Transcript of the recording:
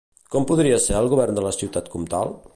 Com podria ser el govern de la ciutat comtal?